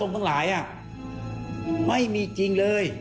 ไม่มีจริง